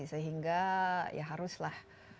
sehingga ya haruslah